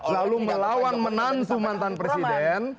lalu melawan menantu mantan presiden